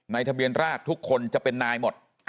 ทะเบียนราชทุกคนจะเป็นนายหมด